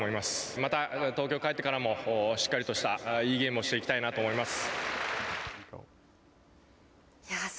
また東京に帰ってからもしっかりとしたいいゲームをしていきたいと思います。